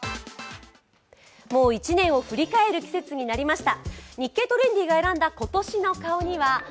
もう１年を振り返る季節になりました。